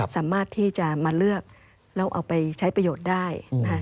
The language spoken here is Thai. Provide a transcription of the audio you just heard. สามารถที่จะมาเลือกแล้วเอาไปใช้ประโยชน์ได้